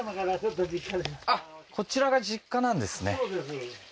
あっこちらが実家なんですね